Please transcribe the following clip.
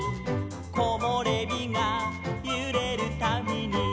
「こもれびがゆれるたびに」